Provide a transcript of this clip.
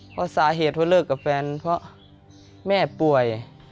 เพราะสาเหตุเขาเลิกกับแฟนเพราะแม่ป่วย